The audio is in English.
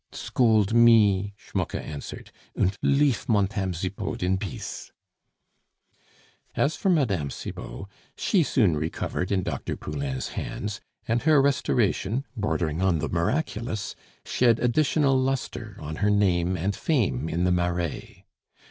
"Scold me," Schmucke answered, "und leaf Montame Zipod in beace." As for Mme. Cibot, she soon recovered in Dr. Poulain's hands; and her restoration, bordering on the miraculous, shed additional lustre on her name and fame in the Marais.